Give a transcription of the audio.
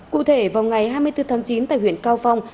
cụ thể vào ngày hai mươi bốn tháng chín tại huyện cao phong